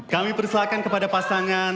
kami persilahkan kepada pasangan